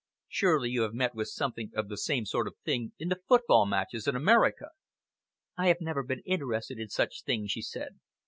Surely you have met with something of the same sort of thing in the football matches in America!" "I have never been interested in such things," she said.